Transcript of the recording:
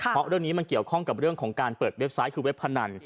เพราะเรื่องนี้มันเกี่ยวข้องกับเรื่องของการเปิดเว็บไซต์คือเว็บพนัน